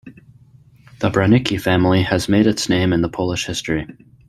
The Branicki family has made its name in the Polish history.